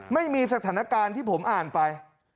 ไม่มีสถานการณ์ที่ผมอ่านไป